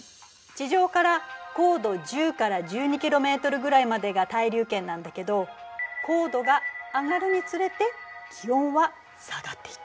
地上から高度１０から１２ｋｍぐらいまでが対流圏なんだけど高度が上がるにつれて気温は下がっていく。